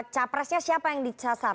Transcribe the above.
capresnya siapa yang disasar